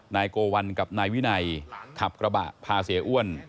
นายโกวัลกับนายวินัยขับกระบะพาเสียอ้วน